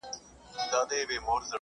سانسور سوي کتابونه د پوهي وده ټکنۍ کوي.